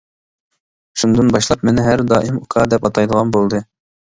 شۇندىن باشلاپ مېنى ھەر دائىم «ئۇكا» دەپ ئاتايدىغان بولدى.